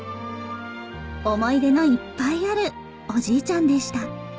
「思い出のいっぱいあるおじいちゃんでした。